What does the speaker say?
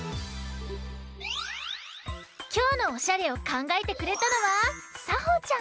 きょうのオシャレをかんがえてくれたのはさほちゃん！